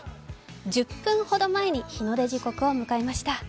１０分ほど前に日の出時刻を迎えました。